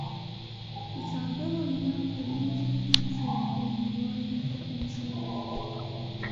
په ساده وینا په نظم کې څرګندولو ته انشأ وايي.